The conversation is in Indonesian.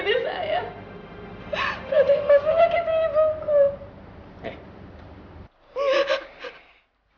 berhenti mas menyakiti ibuku